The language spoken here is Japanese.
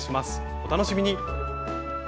お楽しみに。